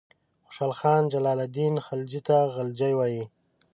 خوشحال خان جلال الدین خلجي ته غلجي وایي.